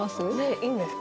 いいんですか？